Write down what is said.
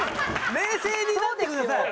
冷静になってください。